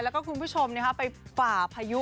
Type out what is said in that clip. แล้วก็คุณผู้ชมไปฝ่าพายุ